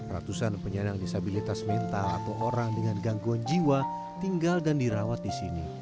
ratusan penyandang disabilitas mental atau orang dengan gangguan jiwa tinggal dan dirawat di sini